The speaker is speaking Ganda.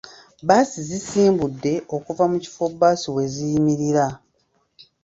Bbaasi zisimbudde okuva mu kifo bbaasi we ziyimirira .